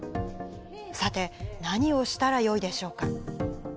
さて、何をしたらよいでしょうか。